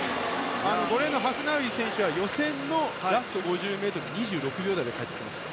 ５レーンのハフナウイ選手は予選のラスト５０ｍ２６秒台で帰ってくるんですよ。